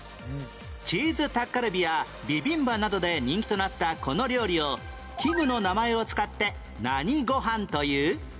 チーズタッカルビやビビンバなどで人気となったこの料理を器具の名前を使って何ごはんという？